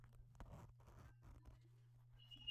კვეთს მდინარე ნილოსი.